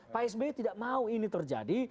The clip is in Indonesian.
pak sby tidak mau ini terjadi